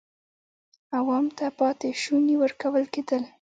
عوام ته پاتې شوني ورکول کېدل.